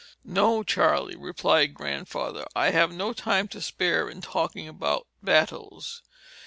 "No, Charley," replied Grandfather, "I have no time to spare in talking about battles.